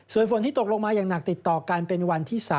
ส่วนฝนที่ตกลงมาอย่างหนักติดต่อกันเป็นวันที่๓